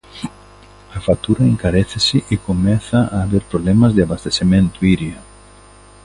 A factura encarécese e comeza a haber problemas de abastecemento, Iria.